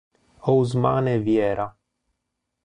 Ousmane Viera